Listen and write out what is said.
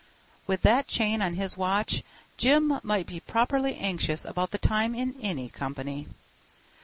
With that chain on his watch Jim might be properly anxious about the time in any company.